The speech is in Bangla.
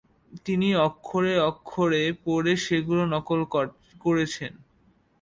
তিনি অক্ষরে অক্ষরে পড়ে সেগুলো নকল করেছেন ।